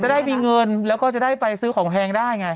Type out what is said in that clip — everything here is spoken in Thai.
ได้มีเงินแล้วก็จะได้ไปซื้อของแพงได้ไง